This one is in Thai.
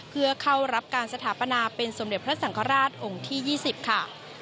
เพื่อเข้ารับการสถาปนาเป็นสมเด็จพระสังฆราชองค์ที่๒๐ค่ะ